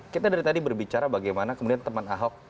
kita dari tadi berbicara bagaimana kemudian teman ahok